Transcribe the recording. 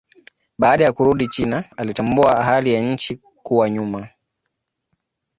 Baada ya kurudi China alitambua hali ya nchi kuwa nyuma.